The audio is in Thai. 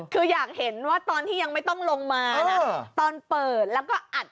คืออยากเห็นว่าตอนที่ยังไม่ต้องลงมานะตอนเปิดแล้วก็อัด